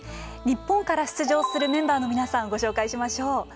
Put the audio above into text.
日本から出場するメンバーの皆さんをご紹介しましょう。